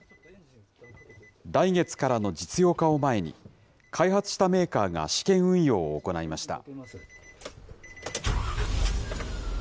来月からの実用化を前に、開発したメーカーが試験運用を行いました。